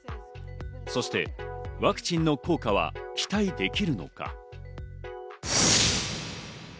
そしてワクチンの効果は期待できるのか。